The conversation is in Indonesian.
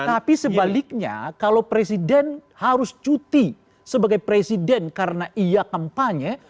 tapi sebaliknya kalau presiden harus cuti sebagai presiden karena ia kampanye